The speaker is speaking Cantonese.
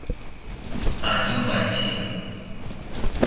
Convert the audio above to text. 但要維持